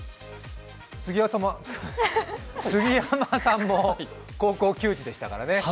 杉山さんも高校球児でしたからね。